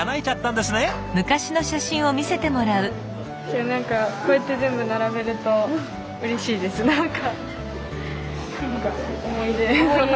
でも何かこうやって全部並べるとうれしいです何か。